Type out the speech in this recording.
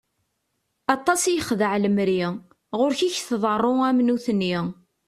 Aṭas i yexdeɛ lemri, ɣuṛ-k i k-tḍeṛṛu am nutni!